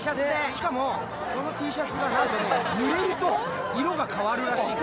しかもこのＴシャツがなんとぬれると色が変わるらしい。